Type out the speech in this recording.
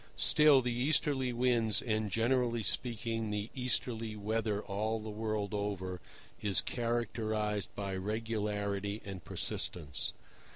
Still, the easterly winds, and, generally speaking, the easterly weather all the world over, is characterized by regularity and persistence.